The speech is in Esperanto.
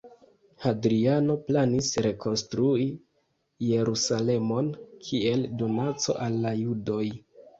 Hadriano planis rekonstrui Jerusalemon kiel donaco al la Judoj.